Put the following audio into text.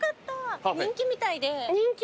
人気？